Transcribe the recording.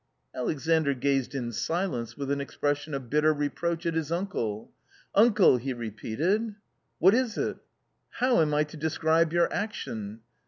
Alexandr gazed in silence with an expression of bitter reproach at his uncle. " Uncle !" he repeated. "What is it?" " How am I to describe your action?"